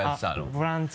ボランチ。